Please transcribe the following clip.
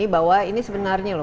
bahwa ini sebenarnya